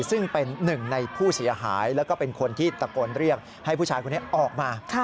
ซึ่งเป็นหนึ่งในผู้เสียหายแล้วก็เป็นคนที่ตะโกนเรียกให้ผู้ชายคนนี้ออกมา